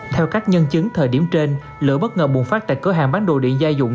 theo các nhân chứng thời điểm trên lửa bất ngờ bùng phát tại cửa hàng bán đồ điện gia dụng